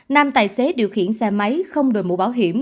nam tài xế điều khiển xe máy không đổi mũ bảo hiểm